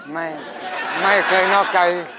ไม่ไม่เคยนอกใจ